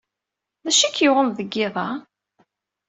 D acu ay k-yuɣen deg yiḍ-a?